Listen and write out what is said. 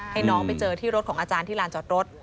ให้น้องไปเจอที่รถของอาจารย์ที่ลานจอดรถ